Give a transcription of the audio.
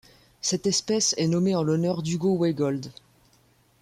Cette espèce est nommée en l'honneur d'Hugo Weigold.